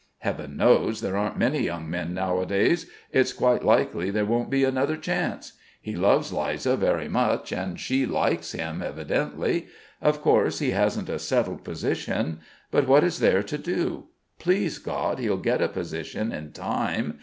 Heaven knows there aren't many young men nowadays. It's quite likely there won't be another chance. He loves Liza very much and she likes him, evidently. Of course he hasn't a settled position. But what is there to do? Please God, he'll get a position in time.